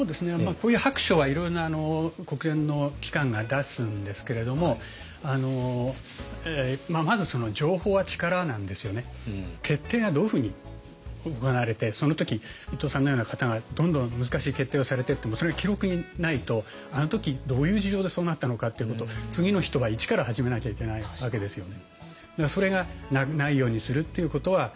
こういう白書はいろいろな国連の機関が出すんですけれどもまず決定がどういうふうに行われてその時伊藤さんのような方がどんどん難しい決定をされていってもそれが記録にないとあの時どういう事情でそうなったのかっていうことを次の人は一から始めなきゃいけないわけですよね。